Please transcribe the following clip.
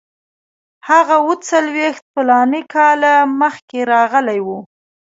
هغه اوه څلوېښت فلاني کاله مخکې راغلی وو.